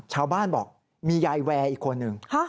ชาวบ้านบอกมียายแวร์อีกคนนึง